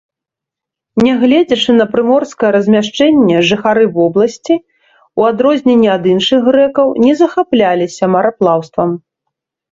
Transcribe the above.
Нягледзячы на прыморскае размяшчэнне жыхары вобласці, у адрозненне ад іншых грэкаў, не захапляліся мараплаўствам.